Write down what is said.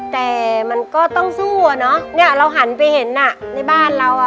แต่มันก็ต้องสู้อ่ะเนอะเนี้ยเราหันไปเห็นอ่ะในบ้านเราอ่ะ